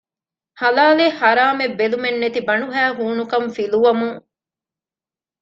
ޙަލާލެއް ޙަރާމެއް ބެލުމެއްނެތި ބަނޑުހައި ހޫނުކަން ފިލުވަމުން